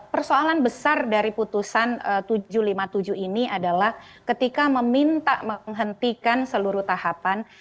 persoalan besar dari putusan tujuh ratus lima puluh tujuh ini adalah ketika meminta menghentikan seluruh tahapan